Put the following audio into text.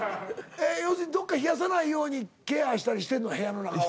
ええ要するにどっか冷やさないようにケアしたりしてんの部屋の中は。